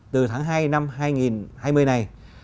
từ tháng hai năm hai nghìn hai mươi này